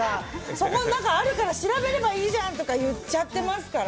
そこに、あるから調べればいいじゃん！とか言っちゃってますから。